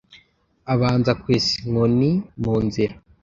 Abanza kwesa inkoni mu nzira